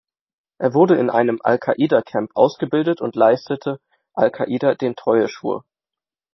Er wurde in einem al-Qaida-Camp ausgebildet und leistete al-Qaida den Treueschwur.